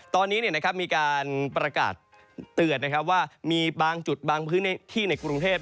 ตอนนี้มีการประกาศเตือนว่ามีบางจุดบางพื้นที่ในกรุงเทพ